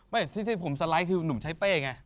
ไม่ที่สิผมสไลด์คือหนูใช้เป้ไง